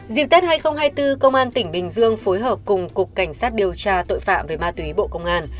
dịp tết hai nghìn hai mươi bốn công an tỉnh bình dương phối hợp cùng cục cảnh sát điều tra tội phạm về ma túy bộ công an